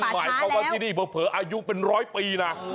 หมายความว่าที่นี่เผลออายุเป็นร้อยปีนะ